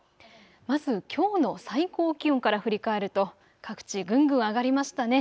まずきょうの最高気温から振り返ると、各地ぐんぐん上がりましたね。